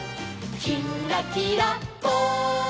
「きんらきらぽん」